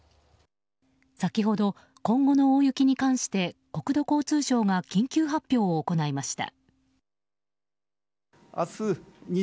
先ほど、今後の大雪に関して国土交通省が緊急発表を行いました。